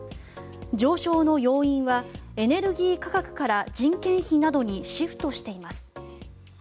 上昇の要因はエネルギー価格から人件費などにシフトしています。